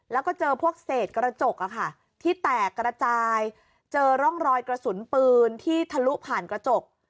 แล้วก็เจอพวกเศษกระจกที่แตกกระจายเจอร่องรอยกระสุนปืนที่ทะลุผ่านกระจก